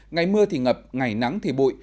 ngày mưa thì ngập ngày nắng thì bụi